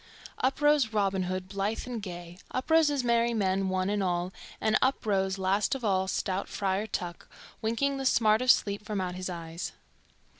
Up rose Robin Hood, blithe and gay, up rose his merry men one and all, and up rose last of all stout Friar Tuck, winking the smart of sleep from out his eyes.